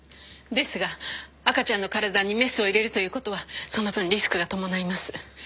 ですが赤ちゃんの体にメスを入れるということはその分リスクが伴います。